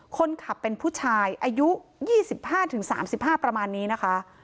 คนขับเป็นผู้ชายอายุ๒๕๓๕ประมาณนี้นะคะ